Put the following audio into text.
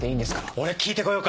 俺聞いて来ようか？